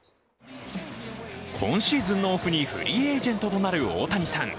今シーズンのオフにフリーエージェントとなる大谷さん。